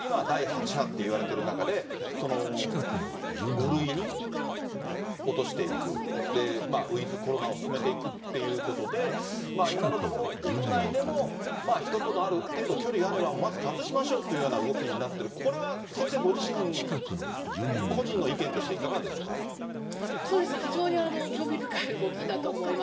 今第８波っていわれてる中で、５類に落としていく、ウィズコロナを進めていくということで、今のところ、屋内でも人とのある程度距離があれば、マスク外しましょうという動きになってる、これは先生ご自身、そうですね、非常に興味深い動きだと思います。